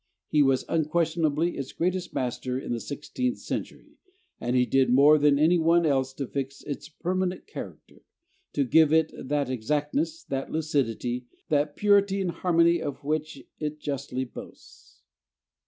He was unquestionably its greatest master in the sixteenth century, and he did more than any one else to fix its permanent character to give it that exactness, that lucidity, that purity and harmony of which it justly boasts.